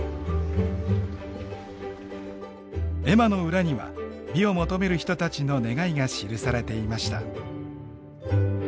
絵馬の裏には美を求める人たちの願いが記されていました。